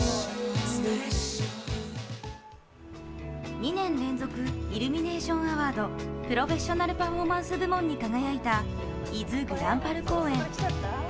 ２年連続イルミネーションアワード、プロフェッショナルパフォーマンス部門に輝いた伊豆ぐらんぱる公園。